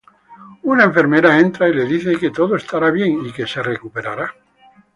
Una enfermera entra y le dice que todo estará bien, y que se recuperará.